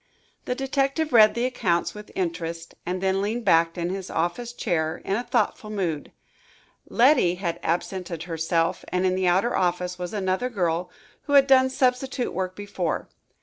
The detective read the accounts with interest and then leaned back in his office chair in a thoughtful mood. Letty had absented herself and in the outer office was another girl, who had done substitute work before.